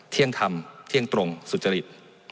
เที่ยงธรรมเที่ยงตรงสุจริต